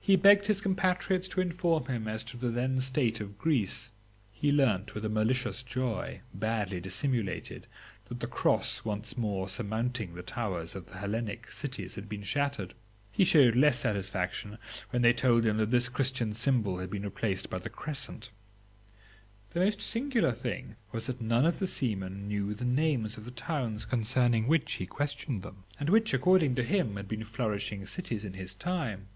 He begged his compatriots to inform him as to the then state of Greece. He learnt with a malicious joy, badly dissimulated, that the Cross once surmounting the towers of the Hellenic cities had been shattered; he showed less satisfaction when they told him that this Christian symbol had been replaced by the Crescent. The most singular thing was that none of the seamen knew the names of the towns concerning which he questioned them, and which, according to him, had been flourishing cities in his time.